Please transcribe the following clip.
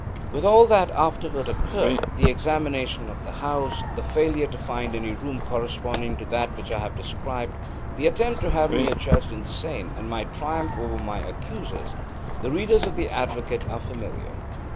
ŌĆ£With all that afterward occurredŌĆöthe examination of the house; the failure to find any room corresponding to that which I have described; the attempt to have me adjudged insane, and my triumph over my accusersŌĆöthe readers of the Advocate are familiar.